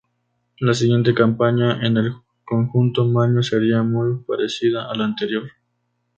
La siguiente campaña en el conjunto maño sería muy parecida a la anterior.